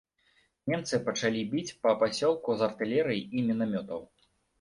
Немцы пачалі біць па пасёлку з артылерыі і мінамётаў.